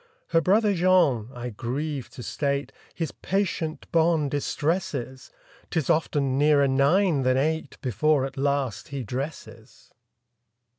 Her brother Jean—I grieve to state— His patient bonne distresses; 'Tis often nearer nine than eight Before at last he dresses.